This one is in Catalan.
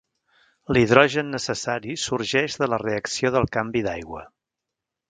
L'hidrogen necessari sorgeix de la reacció del canvi d'aigua.